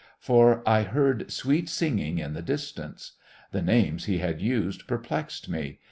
For I heard sweet singing in the distance. The names he had used perplexed me.